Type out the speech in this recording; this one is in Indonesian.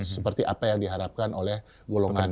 seperti apa yang diharapkan oleh golongan